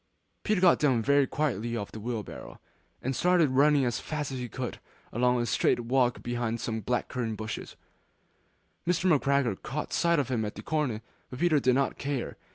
Peter got down very quietly off the wheelbarrow; and started running as fast as he could go, along a straight walk behind some black currant bushes. Mr. McGregor caught sight of him at the corner, but Peter did not care.